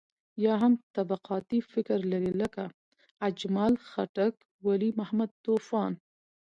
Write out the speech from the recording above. يا هم طبقاتي فکر لري لکه اجمل خټک، ولي محمد طوفان.